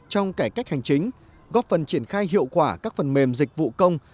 trong cải cách hành chính góp phần triển khai hiệu quả các phần mềm dịch vụ công